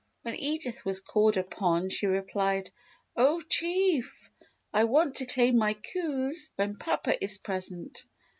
When Edith was called upon she replied: "Oh Chief! I want to claim my coups when papa is present."